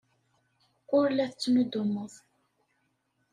Ur la tettnuddumeḍ.